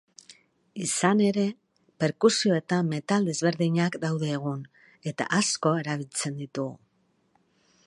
Izan ere, perkusioetan metal desberdinak daude egun, eta asko erabiltzen ditu.